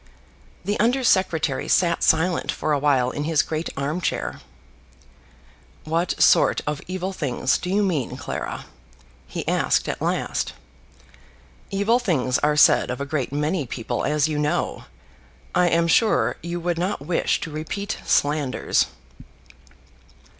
The Under Secretary sat silent for awhile in his great arm chair. "What sort of evil things do you mean, Clara?" he asked at last. "Evil things are said of a great many people, as you know. I am sure you would not wish to repeat slanders."